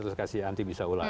terus dikasih anti bisa ular